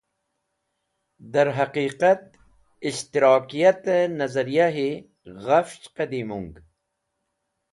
Dar Haqiqat Ishtirakiyate Nazaryahi ghafch Qadimung.